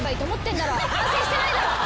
反省してないだろ！